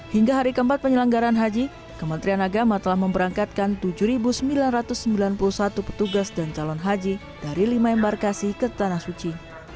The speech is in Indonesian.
hingga hari keempat penyelenggaran haji kementerian agama telah memberangkatkan tujuh sembilan ratus sembilan puluh satu petugas dan calon haji dari lima embarkasi ke tanah suci